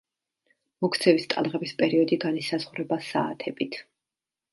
მოქცევის ტალღების პერიოდი განისაზღვრება საათებით.